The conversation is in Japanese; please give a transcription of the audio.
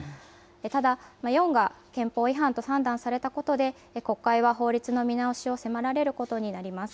ただ、４が憲法違反と判断されたことで、国会は法律の見直しを迫られることになります。